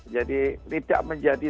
jadi tidak menjadi